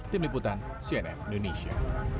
tim liputan cnm indonesia